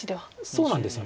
そうなんですよね。